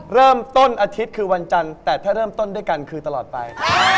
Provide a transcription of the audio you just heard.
เริ่มต้นอาทิตย์คือวันจันทร์แต่ถ้าเริ่มต้นด้วยกันคือตลอดไป